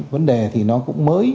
vấn đề thì nó cũng mới